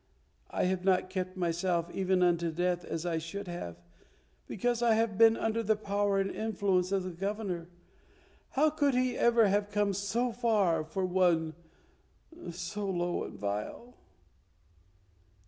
I have not kept myself even unto death as I should have, because I have been under the power and influence of the Governor. How could he ever have come so far for one so low and vile?